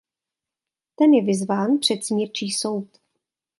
Ten je vyzván před smírčí soud.